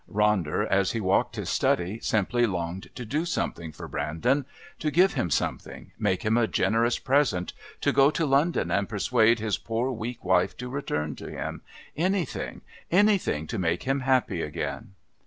Ronder, as he walked his study, simply longed to do something for Brandon to give him something, make him a generous present, to go to London and persuade his poor weak wife to return to him, anything, anything to make him happy again.